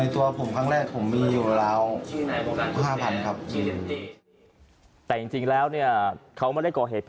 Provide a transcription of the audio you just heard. แต่จริงแล้วเขาไม่ได้ก่อเหตุผิด